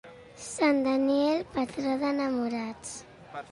Sant Daniel, patró d'enamorats.